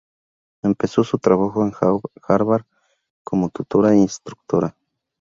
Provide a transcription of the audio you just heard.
Empezó su trabajo en Harvard como tutora e instructora.